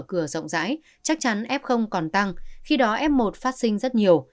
mở cửa rộng rãi chắc chắn f còn tăng khi đó f một phát sinh rất nhiều